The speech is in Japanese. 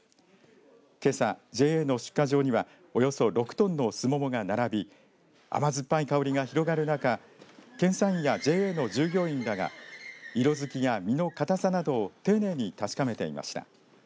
けさＪＡの出荷場にはおよそ６トンのスモモが並び甘酸っぱい香りが広がる中検査員やＪＡの従業員らが色づきや実の固さなどを丁寧に確かめていました。